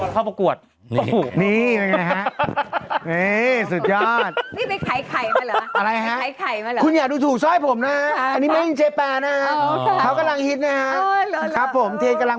แล้วตรงที่กว้างเข้าประกวดโอ้โหฮ่า